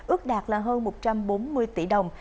ước đạt là hơn một trăm bốn mươi tỷ đồng